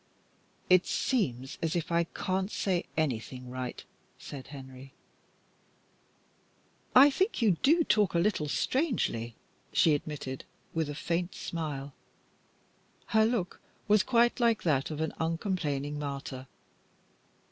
"It seems as if I couldn't say anything right," said Henry. "I think you do talk a little strangely," she admitted, with a faint smile. Her look was quite like that of an uncomplaining martyr.